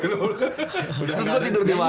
udah terus gue tidur di rumah